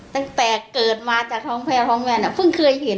ตั้งแต่เกิดมาจากของเพลร์ของแม่น่ะพึ่งเคยเห็น